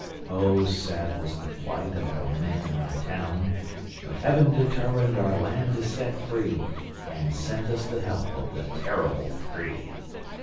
Oh, sad was the plight of our men and our town! But Heaven determined our land to set free And sent us the help of the Terrible Three.